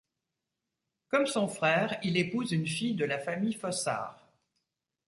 Comme son frère, il épouse une fille de la famille Fossard.